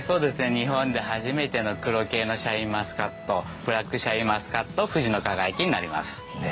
日本で初めての黒系のシャインマスカット、ブラックシャインマスカット富士の輝になります。